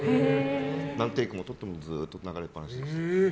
何テイクを撮ってもずっと流れっぱなしでした。